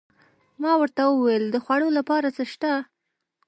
ما ورته وویل: د خوړو لپاره څه شته؟